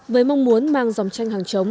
với mong muốn mang dòng tranh hàng chống